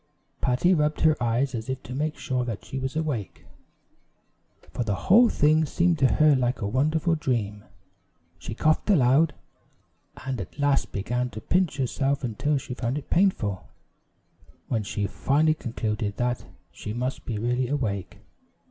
Patty rubbed her eyes as if to make sure that she was awake; for the whole thing seemed to her like a wonderful dream. She coughed aloud, and at last began to pinch herself until she found it painful, when she finally concluded that she must be really awake.